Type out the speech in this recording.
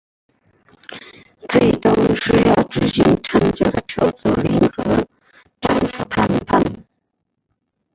最终需要举行长久的筹组联合政府谈判。